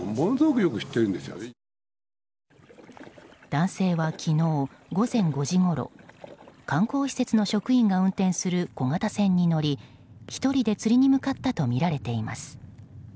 男性は昨日午前５時ごろ観光施設の職員が運転する小型船に乗り、１人で釣りに向かったとみられています。